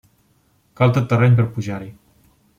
Cal tot terreny per pujar-hi.